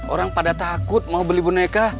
orang pada takut mau beli boneka